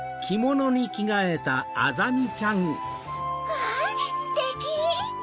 わぁステキ！